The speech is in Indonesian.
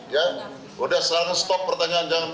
sudah sekarang stop pertanyaan